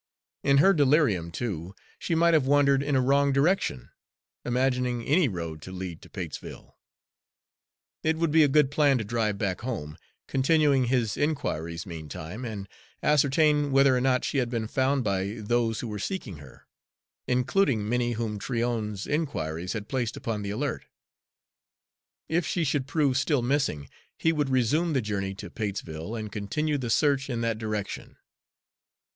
In her delirium, too, she might have wandered in a wrong direction, imagining any road to lead to Patesville. It would be a good plan to drive back home, continuing his inquiries meantime, and ascertain whether or not she had been found by those who were seeking her, including many whom Tryon's inquiries had placed upon the alert. If she should prove still missing, he would resume the journey to Patesville and continue the search in that direction.